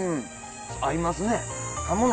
合いますね。